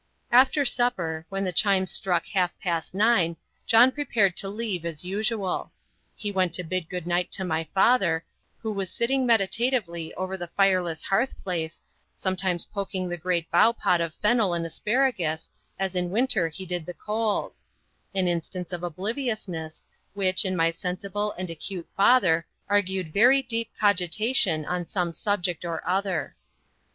After supper, when the chimes struck half past nine, John prepared to leave as usual. He went to bid good night to my father, who was sitting meditatively over the fireless hearth place, sometimes poking the great bow pot of fennel and asparagus, as in winter he did the coals: an instance of obliviousness, which, in my sensible and acute father, argued very deep cogitation on some subject or other.